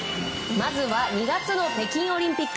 まずは２月の北京オリンピック。